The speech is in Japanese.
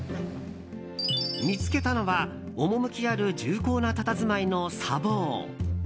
見つけたのは趣ある重厚なたたずまいの茶房。